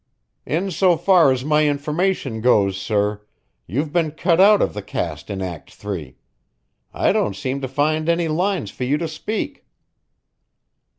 "In so far as my information goes, sir, you've been cut out of the cast in Act Three. I don't seem to find any lines for you to speak."